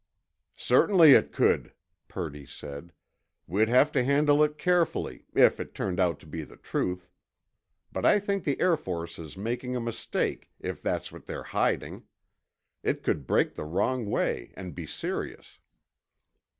"Certainly it could," Purdy said. "We'd have to handle it carefully if it turned out to be the truth. But I think the Air Force is making a mistake, if that's what they're hiding. It could break the wrong way and be serious."